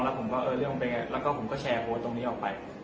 แล้วก็พอเล่ากับเขาก็คอยจับอย่างนี้ครับ